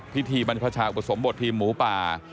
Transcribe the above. พิธีบรรพชาอุปสมบททีมหมูป่า